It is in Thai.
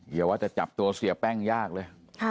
อย่าว่าจะจับตัวเสียแป้งยากเลย